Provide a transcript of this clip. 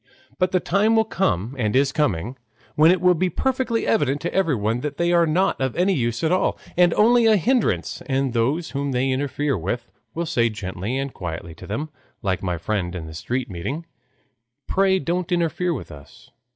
But the time will come and is coming when it will be perfectly evident to everyone that they are not of any use at all, and only a hindrance, and those whom they interfere with will say gently and quietly to them, like my friend in the street meeting, "Pray don't interfere with us."